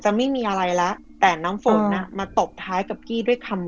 ไม่มีอะไรแล้วแต่น้ำฝนอ่ะมาตบท้ายกับกี้ด้วยคำ